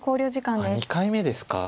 あっ２回目ですか。